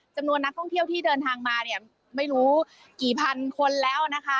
จำนวนนักท่องเที่ยวที่เดินทางมาเนี่ยไม่รู้กี่พันคนแล้วนะคะ